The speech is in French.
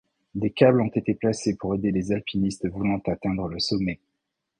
Des câbles ont été placés pour aider les alpinistes voulant atteindre le sommet.